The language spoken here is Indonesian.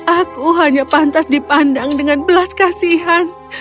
aku hanya pantas dipandang dengan belas kasihan